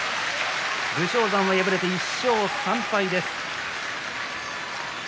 武将山、敗れて１勝３敗です。